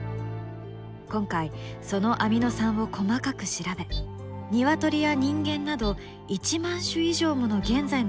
今回そのアミノ酸を細かく調べニワトリや人間など１万種以上もの現在の生物と比べることにしたのです。